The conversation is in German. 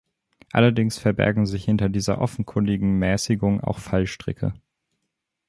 Allerdings verbergen sich hinter dieser offenkundigen Mäßigung auch Fallstricke.